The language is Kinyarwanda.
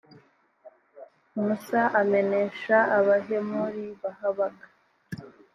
musa amenesha abahemori bahabaga.